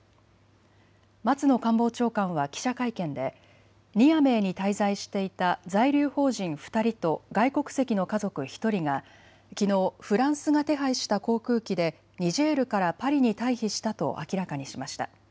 松野官房長官は記者会見でニアメーに滞在していた在留邦人２人と外国籍の家族１人がきのうフランスが手配した航空機でニジェールからパリに退避したと明らかにしました。